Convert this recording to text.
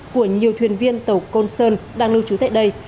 của nhiều thuyền viên tàu côn sơn đang lưu trú tại đây